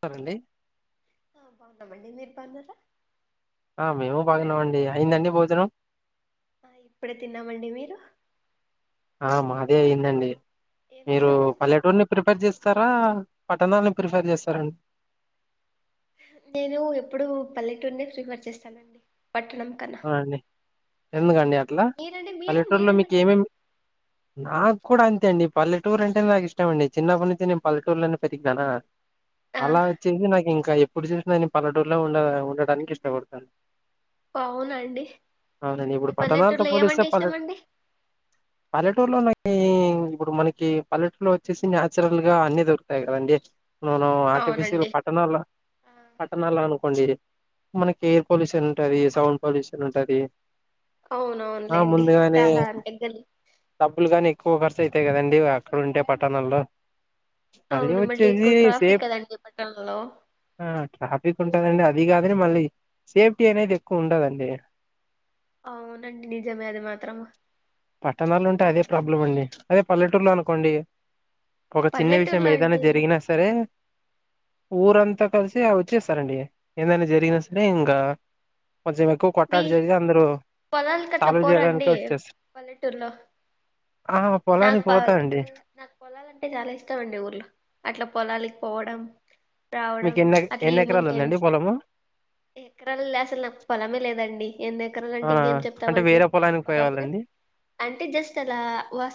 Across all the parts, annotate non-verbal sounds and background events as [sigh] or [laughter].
సరండి. ఆ బాగున మడి నేర్పం గద. మేము బాగున్నామండి అయిందండి భోజనం. ఆ ఇప్పుడే తిన్నామండి మీరు. ఆ మాది అయిందండి. ఏం మీరు తిన్నారండి పల్లెటూరిని ప్రిపేర్ చేస్త. స్తారా పట్టణాలని ప్రిఫర్ చేస్తారండి. నేను ఎప్పుడు పల్లెటూరునే ఫ్రీఫర్ చేస్తానండి. పట్టణం కన్నా అవునండి ఆ, ఎందుకండి అట్లా మీరండి మీరు పల్లెటూరులో మీకు మీరెందుకండి ఏమేమి నాకు కూడా అంతె. అద అండి పల్లెటూర్ అంటే నాకు ఇష్టంమండి చిన్నప్ప నుంచి నేనుల్లెటూర్లోనే పెరిగానా. ఆ అలా వచ్చేసి నాకు ఇంకా ఎప్ప. ఇప్పుడు చూసిన నేను పల్లటూరులో ఉండ ఉండటనికి ఇష్టపడతాను. అవునా అండి తనను మీ ఇప్పుడు పట్టణాలతో పల్లెటూరులో పోలిస్తే ఏమంటే పల్లె ఇష్టమండి పల్లెటూరులో. ఇప్పుడు మనకి పల్లెటలో వచ్చేసి న్యాచురల్ గా అన్ని దొరుకుతాయి కదండి. నను ఆర్టిఫిషియల్ అవునండి పట్టణాల ఆ, పట్టణాల అను. కొండి మనకి ఎయిర్ పొల్యూషన్ సౌండ్ పొల్యూషన్ ఉంటది ఆ అవునవునులేండి ముందుగానే చాలా దగ్గ డబ్బులు గాని ఎక్కువ ఖర్స్ అయితాయి కదండి అక్కడ ఉంటే పట్టణాల్లో మళ్ళీ అవును వచ్చేసి ఎక్కువ ట్రాఫిక్ సేఫ్ కదండి పట్టణంలో ఆ ట్రాఫిక్ ఉంటుందండి అది దిగ అ్ర మళీ సేఫ్టీ ఏనైతే కూండదండి అవునండి నిజమే అది మాత్రము ప్రబ్లం అండి అదే పల్లెటూరులో అనుకోండి ఒక చిన్న విషయం పల్లెటూరులో అంటే ఏదైనా ఇలా- జరిగినా సరే ఊరంతా కలిసి వచ్చేస్తారండి ఏదైనా జరిగినా స ఆ, సరేంగా మీ పొలాలకు అట్లా సాల్వ్ చేయడానికే పోరాండి వచ్చేస్తారు పల్లెటూర్లో ఆ పొలానికి నాకుొ పోతా అండి నాకు పొలాలు అంటే చాలా ఇష్టం అండి ఊర్లో అట్లా పొలా కళలికి పోవడం రావడం మీకు ఎన్ని అట్లా ఎన్ని ఎకరాలు ఉందండి పొలము ఎకరాల అసలు నాకు పొలమే లేదండి ఎన్ని ఎకరలు అంటే అవునా ఇంకేం అంటే చెప్తామండి వేరే పొలానికి పొలమ పోయేవాళ్ళండి అంటే జస్ట్ అలా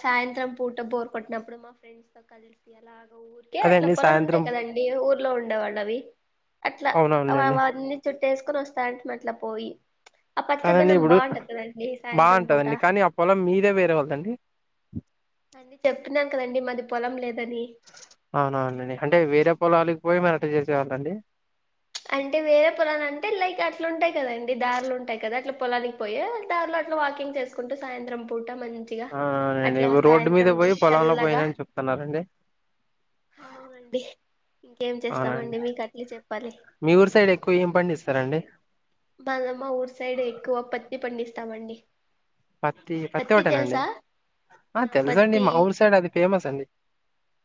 సాయంత్రం పూట పోరు కొట్టినప్పుడు మా ఫ్రెండ్స్ తో కలిసి అలా ఊరికే అదే అట్లా అండి పొలాలు సాయంత్రం ఉంటాయి కదండడి ఊ లో ఉండేవాళ్ళ అవి అట్లా అవునవునులేండి వావన్న చుట్టేసుకొని వస్తాంటే మట్ల పోయి ఆ కాదండి పచ్చదనం ఇప్పుడు బాగుంటది కదండి సాయంత్రం పూట బాగుంటదండి కానీ అపోలో మీదే వేరే వాళ్ళదండి అండి చెప్తున్నాను కదండి మాది పొలం లేదు అవునవునండి అంటే వేరే పొలాలకి పోయి మరి చేసేవాళ్ళండి అంటే వేరే పొలాలు అంటే లైక్ అట్లు ఉంటాయి కదండి దారులు ఉంటాయి కదా అట్లా పొలానికి పోయి దారులో అట్లా వాకింగ్ చేసుకుంటూ సాయంత్రం పూ మంచిగా అవునవునండి అట్లా రోడ్డు మీద సాయంత్రంలో పోయి పొలంలో తెల్లగా పోయినని చెప్తున్నారండి అవునండి ఇంకేం అవునండి చేస్తామండి మీకు అట్లే చెప్పాలి మీ ఊరు సైడ్ ఎక్కువ ఏం పండిస్తారంండి ఇస్తామండి పత్తి పత్తి ఒకటేనండి ఆ తెలుస అండి మా ఊరు సైడ్ అది ఫేమస్ అండి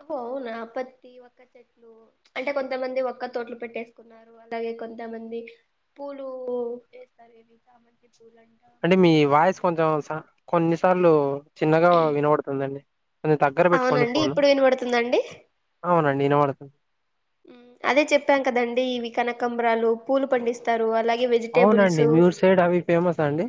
అ అవునా పత్తి ఒక్క చెట్లు అంటే కొంతమంది ఒక్క తోట్లు పెట్టేసుకున్నారు అలాగే కొంతమంది పూలు వేస్తారు ఇది చ అంటే మీ వాయిస్ కొంచెం కొన్నిసార్లు చిన్నగా వినబడుతుందండి కొ దగ్గర పెట్టుకోండి అవునండి ఫోను ఇప్పుడు వినబడుతుందండి అవునండి విన పడుతుంది హ్మ్మ్ అదే చెప్పాం కదండి ఇవి కనకంబరాలు పూలు పండిస్తారు అలాగే అవునండి వెిటబుల్స్ మీ ఊరు సైడ్ అవి ఫేమస్ అండి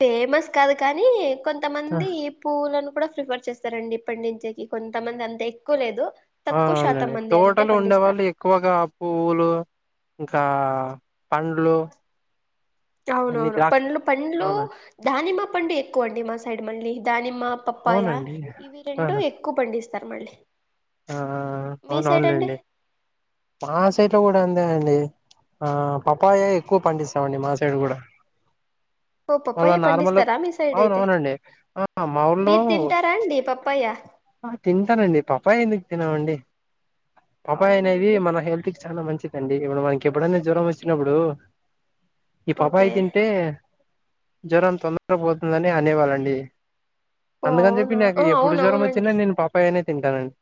ఫేమస్ కాదు కానీ కొంత ఆ! మంది పలను కూడా ప్రిఫర్ చేస్తారండి ఇప్పటి నుంచేకి కొంతమంది అంత ఎక్కువ లేదు తక్కువ శాతం అవునండి మంది అంతే టోటల్ ఉండే పండిస్తారు వాళ్ళు ఎక్కువగా పులు ఇంకా ఆ పండ్లు అన్ని అవునవును ద్రాక్ష పంలు పండ్లు అవున దానిమ్మ ండి ఎక్కువ అండి మా సైడ్ మళ్ళీ దానిమ్మ అమ్మ పప్పాయ అవునండి ఇవి రెండు ఆహా ఎక్కువ పండిస్తా సరే మళ్ళీ ఆ మీ సైడ్ అండి అవునవునులేండి మాసైట్లో కూడా అ అే అండి ఆ పప్పయ ఎక్కువ పండిస్తామండి మా సైడ్ కూడా ఓ మళ్ళ పప్పయ్య నార్మల్ పండిస్తారా మీ సైడ్ అయితే అవునవునండి ఆ! మా ఊర్లో మీరు తింటారా అండి పప్పయ్య ఆ తింటానండి పప్పయ ఎందుకు తిినమండి పాప అవునా అయినవి అండి మన హెల్ తిచ్ చాలా మంచిదండి ఇప్పుడు మనకి ఎప్పుడైనా జ్వరం వచ్చినప్పుడు ఈ పాప యి ఓకే తింటే జ్వరం తొందరగ పోతుందని అనేవాళ్ళండి ఓ అందుకని చెప్పి అవునా నాకు ఆ ఎప్పుడు జ్వరం వచ్చి చిన్న అవునవునండి నేను పాప ఏ నే తింటానండి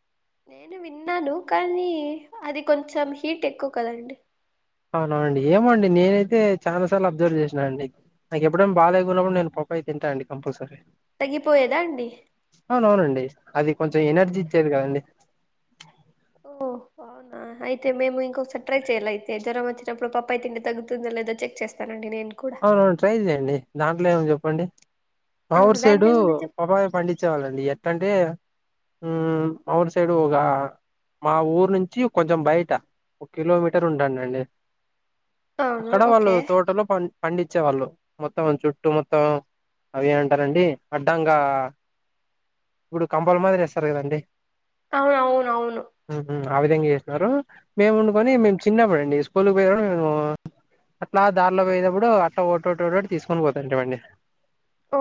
నేను విన్నాను కానీ అది కొంచెం హీట్ ఎక్కువ కదండి అవును అవునండి ఏమో అండి నేనైతే చాలా సార్లు అబ్జర్వ్ చేసినాను అండి నాకే ఎప్పు డ్ ఇప్పుడేం బాగలేనప్పుడు నేను పపాయి తింట అండి కంపల్సరీ తగ్గిపోయేదా అండి అవున అవునండి అది కొంచెం ఎనర్జీ ఇచ్చేది కదండి ఓ అవునా అయితే మేము ఇంకొకసారి ట్రై చెయ్యాల అయితే జ్వరం వచ్చి చప్పుడు బోప్పయి తింటే తగ్గుతుందా లేదో చెక్ చేస్తానండి నేను కూడా అవును అవును ట్రై చెయండి దాంట్లో ఏముం చెప్ చెప్పండి మా ఆ, ఊరు సైడు దాంట్లో ఏముంది చెప్ పాబ పండించేవాళండి ఎట్ట అంటే అ వుర్ సైడు ఒక మా ఊరు నుంచి కొంచెం బయట ఒక కిలోమీటర్ ఉంట అండి అవును అక్కడ వాళ్ళు ఓకే తోటలో పండ్ పండించేవాళ్ళు మొత్తం చుట్టూ మొత్తం అవి ఏ అంటారండి అడ్డంగా ఇప్పుడు కంబల్ మాదిరి వేస్తారు కదండి అవును అవును అవును ఆ విధంగా చేస్తున్నారు మేము ఆ, వండుకొన్ని మేము చిన్నపోయితీసుకు కులి పోయడు మేము అట్లా దారిలో పోయేనప్పుడు ఇప్పుడు అట్ట ఒకటోటి తీసుకొని పోతాంటవండి ఓ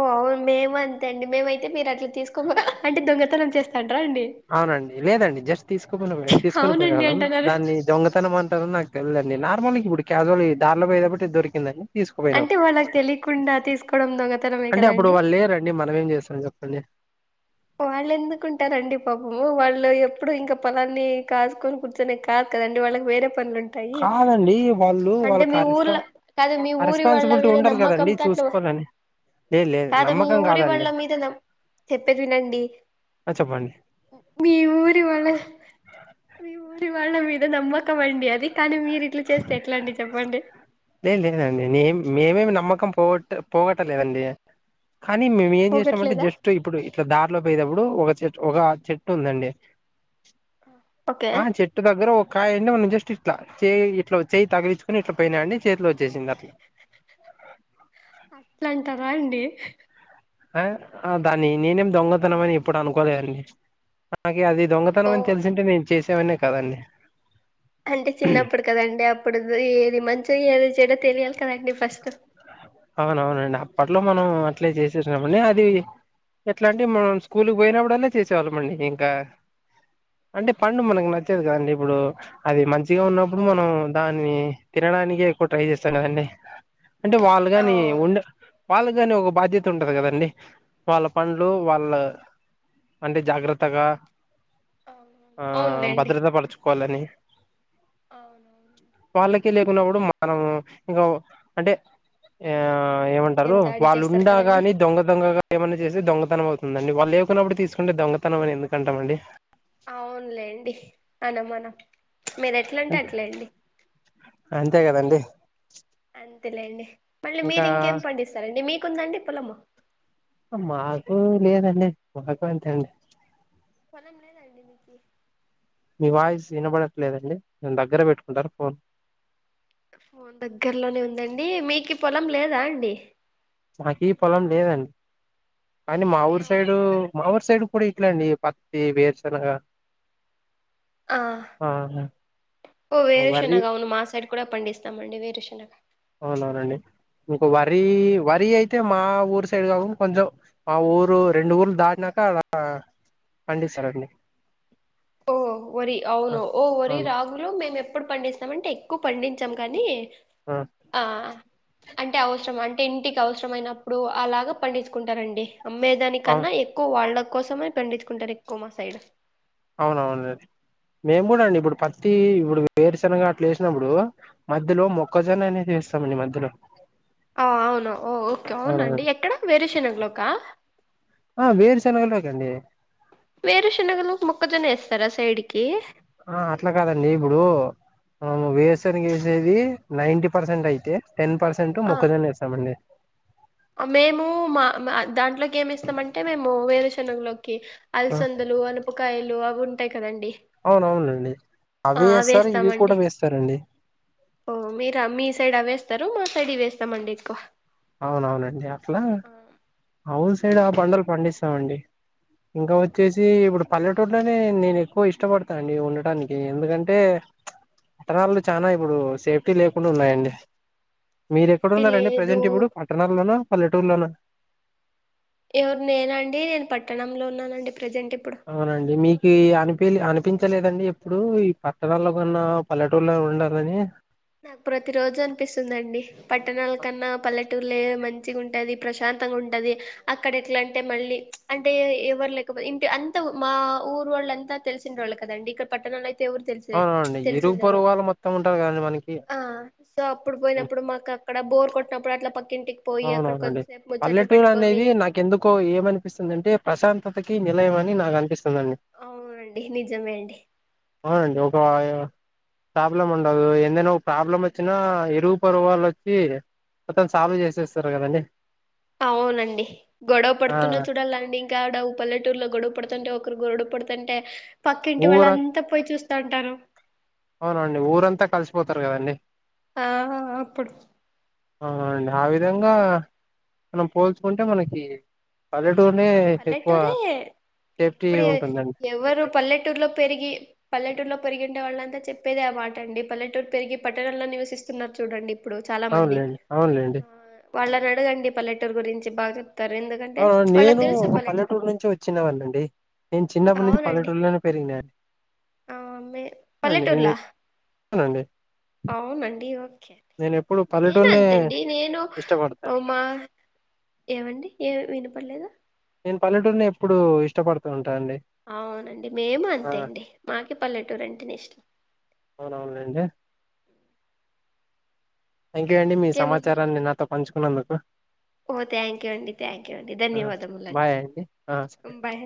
మేము అంతే అండి మేమైతే మీరు అట్ల తీసుకోక పోతే అంటే దొంగతనం చేస్త అవునండి లేదండి జస్ట్ తీసుకుని పో తీసుకొని అవునండి పోయేగళ్లం అంటున్నారు దాన్ని దొంగతనం అంటారు నాకు తెలిలేదు నార్మల్ ఇప్పుడు క్యాజువల్ ఈ దార్లో పోయిదట్టి దొరికిందని అంటే వాళ్ళకి తెలియకుండా తీసుకోవడం దోగతన అంటే అప్పుడు వాళ్ళు లేరండి మనం ఎంచేస్తాం చెప్పండి అ [unintelligible] వాళ్ళు ఎందుకుంటారండి పాపము వాళ్ళు ఎప్పుడు ఇంకా పొలాన్ని కాసుకొని కూర్చొనే కాదు కదండి వాళ్ళకి వేరే పనులుంటాయి కాదండి వాళ్ళు వాళ్ళ అంటే మీ ఆ రెస్పా ఊర్లో కాదు మీ ఆ ఊరి వాళ్ళ రెస్పాన్సిబిలిటీ మీద ఉండాలి కదండి నమ్మకంతో అట్ చూసుకోవాలని లేదు లేదు కాదు మీ నమ్మకం ఊరి కాదండి వాళ్ళ మీద నమ్ చెట్ వినండి ఆ చెప్పండి మీఊరి వాళ్ళు మీ ఊరి వాళ్ళ మీద నమ్మకం అండి అది కానీ మీరు ఇట్లా చేస్తే ఎట్లా అండి చెప్పండి లేదు లేదండి మేమేమి నామ్మకం పోగట్ట పొగట్టలేనండి కానీ మేము ఏం చేస్తామంటే పోగట్లేదా జస్ట్ ఇప్పుడు ఇట్లా దారిలో పోయేటప్పుడు ఒక చె ఒక చెట్టు ఉందండి ఓకే ఆ చెట్టు దగ్గర ఒక కాయ అండి మనం జస్ట్ ఇట్లా చేయ ఇట్లా చేయి తగిలిచుకొని ఇట్లా పోయినా అండి చేతిలో వచ్చేసింది అట్లా అట్లాంటరా అండి ఆ దాన్ని నేనేమి దొంగతనం అని ఎప్పుడూ అనుకోలేదండి అది ఓ దొంగతనం అని తెలిసింటే నేను చేసేవాడిని కదండి అంటే చిన్నప్పుడు కదండి అప్పుడు ఏ ఏది మంచో ఏది చెడో తెలియాలి కదండి ఫస్ట్ అవునవును అండి అప్పట్లో మనం అట్లే చేసేసినమండి అది ఎట్లా అంటే మనం స్కూల్కి పోయినప్పుడుల్లా చేసేవాళ్ళం అండి ఇంకా అంటే పండు మనకు నచ్చదు కదండి ఇప్పుడు అది మంచిగా ఉన్నప్పుడు మనం దాన్ని తినడానినికి ఎక్కువ ట్రై చేస్తాం కదండి అంటే కానీ ఉండ అవును వాళ్ళ కాని ఒక బాధ్యత ఉంటది కదండి వాళ్ళ పనులు వాళ్ళు అంటే జాగ్రత్తగా అవునవును ఆ అవునులేండి భద్రత పరుచు కొళ్లని అవునవునండి వాళ్లకి లేకున్నప్పుడు మనం ఇంకా అంటే ఆ ఇంకా మీరు ఇంకేం ఏమంటారు దాడి వాళ్ళు చేస్తారు కదండి ఉండగాని దొంగ దొంగగా ఏమన్నా చేే దొంగతనం అవుతుందండి వాళ్ళు లేేకున్నప్పుడు తీసుకుంటే దొంగతనం అని ఎందుకంటామండి అవునులేండి అన మన అంటే అంతే కదండి లేండి మళ్ళీ మీరు ఇంకా ఇంకేం పండిస్తారండి మీకుందండి పొలము డి మాకు అంతే అండి పొలం లేదా అండి మీకీ మీ వాయిస్ వినబడట్లేదండి దగ్గర పెట్టుకుంటారు ఫోన్ ఫోన్ దగ్గరలోనే ఉందండి మీకు పొలం లేదా అండి నాకీ పొలం లేదండి అ ఏ మాఊరి సైడ్ అవునండి మాఊరు సైడ్ ఇప్పుడు ఇట్లా అండి పత్తి వేరుశనగా ఆ ఓ వేరు వరి శనగ అవును మా సైడ్ కూడా పండిస్తామండి వేరు శనగా అవునవును అండి ఇంకో వరి వరి అయితే మా ఊరు సైడ్ కాకుండా కొంచెం మా ఊరు రెండు ఊర్లు దాటినాక అలా పండిస్తారండి. ఓ వరి ఆ! అవును ఓ వరి అవును రాగులో మేము ఎ ఎప్పుడు పండిస్తామంటే ఎక్కువ పండించాం కానీ ఆ అంటే అవసరం అంటే ఇంటికి అవసరం అయినప్పుడు అలాగ పండించుకుంటారండి. అమ్మే అవు దానికన్నా ఎక్కువ వాడ కోసమే పండించుకుంటారు ఎక్కువ మా సైడ్ అవునవునండి మేము కూడా అండి ఇప్పుడు ప ప్రతి ఇప్పుడు వేరుశనగా అట్లా వేసినప్పుడు మధ్యలో మొక్కజొన్న అనేది వేస్తాం మధ్యలో ఆ అవును ఓ ఓకే అవునవును అవునండి ఎక్కడ వేరే శెనగ పప్పు క్క ఆ బేరు చెన వండి వేరు శనగలో ముక్కజనే వేస్తారా సైడ్కి ఆ అట్లా కాదండి ఇప్పుడు మనం వేసనికి వేసేది నైన్టీ పర్సెంట్ అయితే టెన్ పర్సెంట్ ఆ మొక్కజొన్న వేస్తామండి మేము మా మ దాంట్లకి ఏమి ఇస్తామంటే మేము వేరే శనగలో కి ఆ అల్సందలు అనుపకాయలు ఉంటా అవునవునండి ఆ అవి వేస్తారు ఇవి కూడా అవేస్తామండి వేస్తారండి. సైడ వేస్తారు సైడి వేస్తామండి ఎక్కువ అవునవునండి అట్లా ఆ, అవు సైడ్ ఆ పండలు పండిస్త స్త అండి ఇంకా వచ్చేసీ అవునా. ఇప్పుడు పల్లెటూర్ ట్లనే నేను ఎక్కువ ఇష్టపడతానండి ఉండటానికి ఎందుకంటే ప్చ్ పట్టణాల్లో చానా ఇప్పుడూ సేఫ్టీ లేకుండ ఉన్నాయండి. మీరు ఎక్కడ సేఫ్టీ ఉన్నారండి లేదు ప్రజెంట్ ఇప్పుడు. పట్టణాల్లోనా పల్లెటూరులోనా ఎవరు నేనా అండి నేను పట్టణంలో ఉన్నానండి. ప్రజెంట్ ఇప్పుడు అవునండి మీకీ అనిపీ లే అనిప్ ప్పించలేదండి ఎప్పుడూ ఈ పట్టణంలో కన్నా పల్లెటూళ్లో ఉండాలనీ. నాకు ప్రతి రోజు అనిపిస్తుందండి పట్టణాల కన్నా పల్లెటూర్లే మం మంచిగ ఉంటది ప్రశాంతంగా ఉంటది అక్కడ ఎట్ల అంటే మళ్ళీ ప్చ్ అంటే ఎవరు లేకపో ఇంటి అంత మా ఊరు వోళ్ళంతా తెలిసిన ఓళ్ళు కదండి ఇక్కడ పట్టణాల అయిత్ అవునండి ఇరుగు పొరుగు వాళ్లు మొత్తం ఉంటారు గాన్ ఆ సో అప్పుడు పోయినప్పుడు మాకు అక్కడ బోర్ కొట్టినప్పుడు అట్లా పక్ అవునవునండి పల్లెటూరు పెట్టుకొని అనేది నాకెందుకో ఏమనిపిస్తుందంటే ప్రశాంతతకి నిర్ ఇల్లేమని నాక్ అనిపిస్ అవునండి నిజమే అండి. అవునండి ఒక ప్రాబ్లం ఉండదు ఏందైనా ఒక ప్రాబ్లం వచ్చినా ఇరుగు పొరుగు వాళ్ళు వచ్చి మొత్తం సాల్వ్ చేసేస్ తిరుగదండీ అవునండి గొడవ ఆ! పడుతున్నా చూడాలండి ఇంకాడ పల్లెటూరులో గొడవ పడుతుంటే ఒకరు గొడ పుడతుంటే పక్కింటి ఊర వాళ్ళంతా పోయి చూస్ టన్ టారు అవునండి ఊరంతా కలిసిపోతారు కదండి ఆ అప్పుడు అవునండి ఆ విధంగా మనం పోల్చుకుంటే మనకి పలె పల్లెటూరే సేఫ్టీ ఎప్పుడు ఉంటుందండి. ఎవరు పల్లెటూరులో పెరిగి పల్లెటూరులో పెరిగుండే వాళ్ళంతా చెప్పేదే ఆ మాట అండి పల్లెటూరు పెరిగి పట్టణంలో నివసిస్తున్నారు చూడండి. ఇప్పుడు చాలా మంది అవునులేండి అవునులేండి. ఆ వాళ్ళని అడగండి పల్లెటూరు గురించి బాగ చెప్ తారు ఎందుకంటే ఆ చ్ వాళ్ళక్ నేను తెల్సు ఒక పల్లెటూరు నుంచే వచ్చిన వాన్నండి నేను చిన్నప్పటి నుంచి అవునండి పల్లెటూరులోనే పెరిగినా అండి ఆ మీ ఆ పల్లెటూర్లా నేనిక్ అవునండి అవునండి ఓకే నేన్ పల్లెటూరునే అంతే అండి నేను ఇష్టపడతా బొమ్మ ఏవండీ ఏ విని పర్లేదా నేను పల్లటూరినే ఎప్పుడూ ఇష్టపడుతా అవునండి మేము అంతే అండి మాకి పల్లెటూరు అంటే నే ఇష్టం. అవునవునులేండి థ్యాంక్ యూ మరి అండి మీ ఇంకేమండి సమాచారాన్ని నాతో పంచుకున్నందుకు ఓ థ్యాంక్ యూ అండి థ్యాంక్ యూ అండి అహ ధన్యవాదములండి బాయ్ అండి ఆ సరే బాయ్